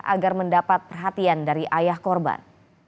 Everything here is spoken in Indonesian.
agar mendapat perhatian dari ayah korban